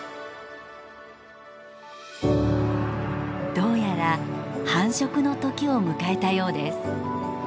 どうやら繁殖の時を迎えたようです。